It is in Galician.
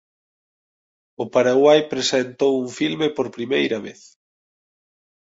O Paraguai presentou un filme por primeira vez.